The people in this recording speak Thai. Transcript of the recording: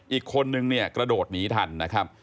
อีกคนหนึ่งกระโดดหนีทันนะครับ